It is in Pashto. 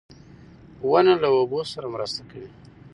• ونه له اوبو سره مرسته کوي.